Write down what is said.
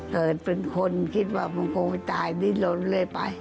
เกิดเป็นคนคิดว่ามันคงไปตายดิ้นลนเลยไป